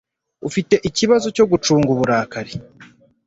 Ufite ikibazo cyo gucunga uburakari?